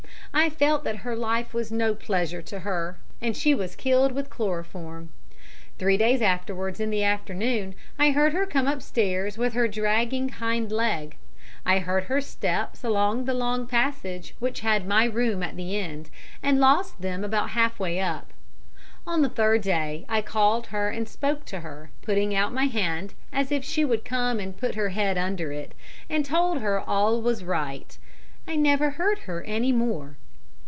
I felt that her life was no pleasure to her, and she was killed with chloroform. Three days afterwards in the afternoon I heard her come upstairs with her dragging hind leg. I heard her steps come along the long passage which had my room at the end, and lost them about half way up. On the third day I called her and spoke to her, putting out my hand as if she would come and put her head under it, and told her all was right. I never heard her any more.